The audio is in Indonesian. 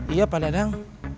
iya pak dadang